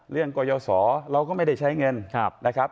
กรยศรเราก็ไม่ได้ใช้เงินนะครับ